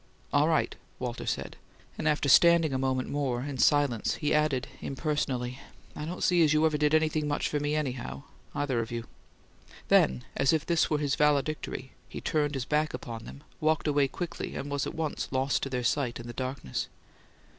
"All right," Walter said; and after standing a moment more, in silence, he added, impersonally, "I don't see as you ever did anything much for me, anyhow either of you." Then, as if this were his valedictory, he turned his back upon them, walked away quickly, and was at once lost to their sight in the darkness.